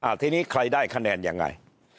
ทีนี้ใครได้คะแนนยังไง